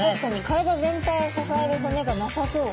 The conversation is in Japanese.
体全体を支える骨がなさそう。